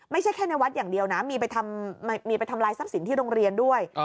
ไม่ใช่แค่ในวัดอย่างเดียวนะมีไปทำลายทรัพย์สินที่โรงเรียนด้วย